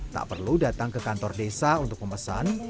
tak perlu datang ke kantor desa untuk memesan